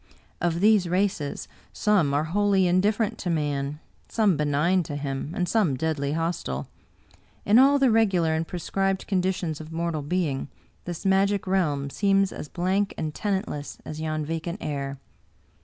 Of these races, some are wholly indifferent to man, some benign to him, and some deadly hostile. In all the regular and prescribed conditions of mortal being, this magic realm seems as blank and tenantless as yon vacant air.